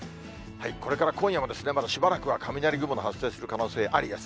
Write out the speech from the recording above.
これから今夜もまだしばらくは、雷雲の発生する可能性ありです。